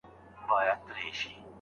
اوس نقيب لونگين نه يمه ملگرو